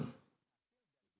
saya enggak bisa berpikir